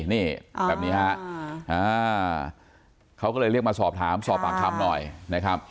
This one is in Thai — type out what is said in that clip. นี่แบบนี้ฮะเขาก็เลยเรียกมาสอบถามสอบปากคำหน่อยนะครับ